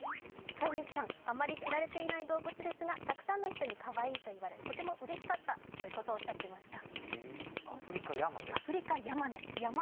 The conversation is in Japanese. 飼い主さん、あまり知られていない動物ですがたくさんの人にかわいいと言われとてもうれしかったということをおっしゃっていました。